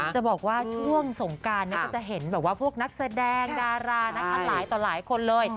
จะบอกว่าช่วงสงการก็จะเห็นแบบว่าพวกนักแสดงดารานะคะหลายต่อหลายคนเลย